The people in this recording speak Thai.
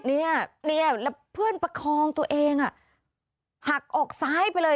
เนี่ยแล้วเพื่อนประคองตัวเองอ่ะหักออกซ้ายไปเลย